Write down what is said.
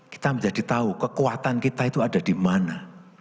kita menjadi tahu kekuatan kita itu ada di mana